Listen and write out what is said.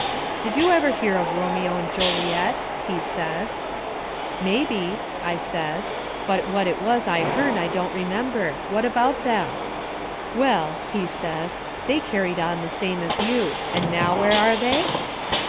"Did you ever hear of Romeo and Joliet?" he says: "Mebby," I says, "but what it was I hearn I can't remember. What about them?" "Well," he says, "they carried on the same as you. And now where are they?"